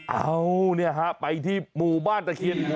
เอาเนี่ยฮะไปที่หมู่บ้านตะเคียนหัว